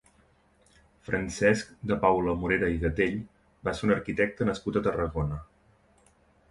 Francesc de Paula Morera i Gatell va ser un arquitecte nascut a Tarragona.